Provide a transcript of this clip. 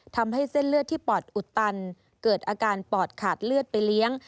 ทำให้เส้นเลือดที่ปอดอุดตันเกิดอาการปอดขาดเลือดไปเลี้ยง